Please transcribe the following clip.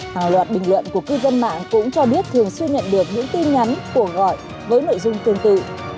hàng loạt bình luận của cư dân mạng cũng cho biết thường xuyên nhận được những tin nhắn của gọi với nội dung tương tự